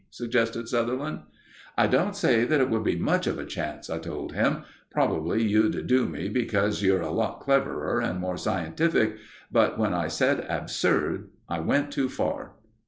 suggested Sutherland. "I don't say that it would be much of a chance," I told him. "Probably you'd do me, because you're a lot cleverer and more scientific; but when I said 'absurd,' I went too far."